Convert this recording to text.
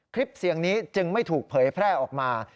คลิปเสียงนี้จึงไม่ถูกเผยแพร่ออกมา